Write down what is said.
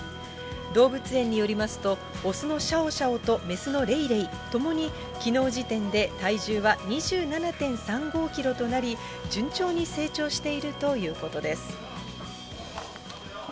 動物園によりますと、雄のシャオシャオと雌のレイレイ、ともにきのう時点で体重は２７．３５キロとなり、順調に成長しているということです。